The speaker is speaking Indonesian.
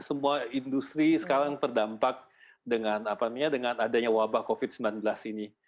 semua industri sekarang terdampak dengan adanya wabah covid sembilan belas ini